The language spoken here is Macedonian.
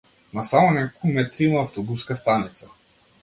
На само неколку метри има автобуска станица.